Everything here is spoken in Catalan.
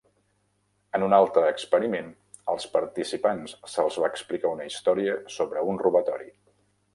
En un altre experiment, als participants s'els va explicar una història sobre un robatori.